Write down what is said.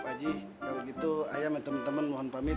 pak ji kalau gitu ayah sama temen temen mohon pamit